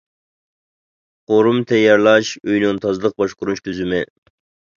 قورۇما تەييارلاش ئۆيىنىڭ تازىلىق باشقۇرۇش تۈزۈمى.